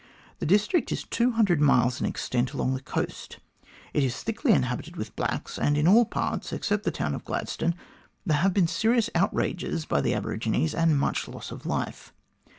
The district is 200 miles in extent along the coast ; it is thickly inhabited with blacks, and in all parts, except the town of Gladstone, there have been serious outrages by the aborigines, and much loss of life.